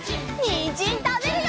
にんじんたべるよ！